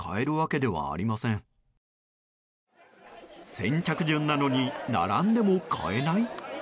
先着順なのに並んでも買えない？